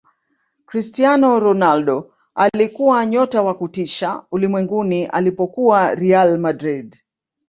cristiano ronaldo alikuwa nyota wa kutisha ulimwenguni alipokuwa real madrid